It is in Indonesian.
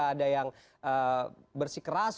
ada yang bersikerasa